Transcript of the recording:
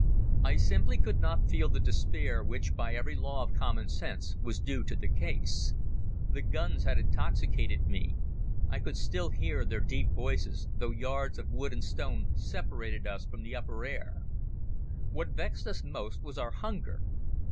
I simply could not feel the despair which by every law of common sense was due to the case. The guns had intoxicated me. I could still hear their deep voices, though yards of wood and stone separated us from the upper air. What vexed us most was our hunger.